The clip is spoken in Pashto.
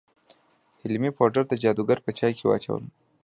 حلیمې پوډر د جادوګر په چای کې واچول.